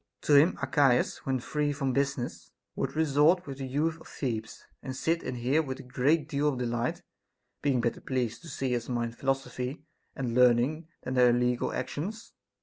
To him Archias, when free from business, would resort with the youth of Thebes, and sit and hear with a great deal of delight ; being better pleased to see us mind philosophy and learning than their illegal actions.